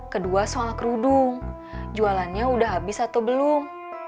kedua soal kerudung jualannya udah habis atau belum